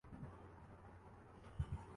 شاز و ناذر ہی شکایت کرتا ہوں